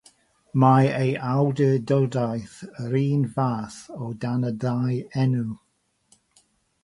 Mae ei awdurdodaeth yr un fath o dan y ddau enw.